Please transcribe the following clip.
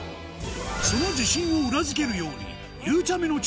その自信を裏付けるようにマジ？